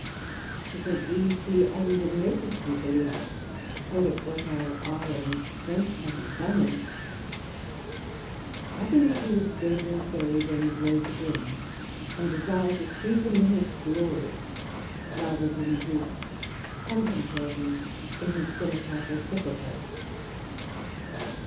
'Tis an easie and necessary belief, to credit what our eye and sense hath examined: I believe he was dead, and buried, and rose again; and desire to see him in his glory, rather than to contemplate him in his Cenotaphe or Sepulchre.